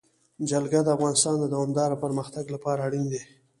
جلګه د افغانستان د دوامداره پرمختګ لپاره اړین دي.